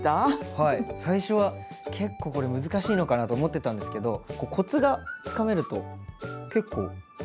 最初は結構これ難しいのかなと思ってたんですけどコツがつかめると結構簡単にというか。